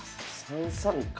３三角。